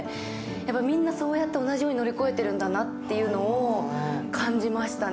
みんなそうやって同じように乗り越えてるんだなって感じましたね。